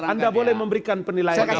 anda boleh memberikan penilaian apa saja